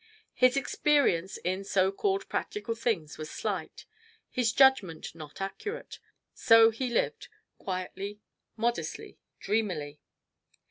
His experience in so called practical things was slight, his judgment not accurate. So he lived quietly, modestly, dreamily.